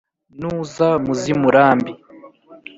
Nuza mu z' i Murambi,